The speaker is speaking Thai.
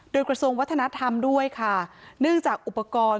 โดยกระทรวงวัฒนธรรมด้วยค่ะเนื่องจากอุปกรณ์